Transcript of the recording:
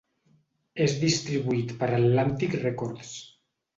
És distribuït per Atlantic Records.